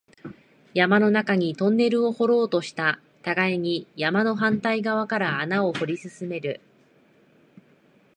山の中にトンネルを掘ろうとした、互いに山の反対側から穴を掘り進める